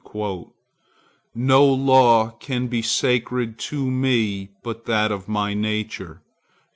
No law can be sacred to me but that of my nature.